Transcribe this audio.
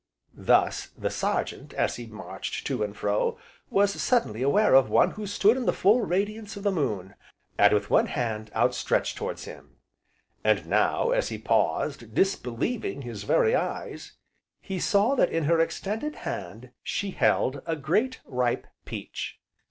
Thus, the Sergeant as he marched to and fro, was suddenly aware of one who stood in the full radiance of the moon, and with one hand outstretched towards him. And now, as he paused, disbelieving his very eyes, he saw that in her extended hand she held a great ripe peach.